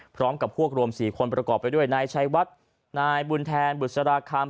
พร้อมกับพวกรวม๔คนประกอบไปด้วยนายชัยวัดนายบุญแทนบุษราคำ